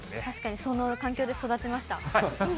確かにその環境で育ちました。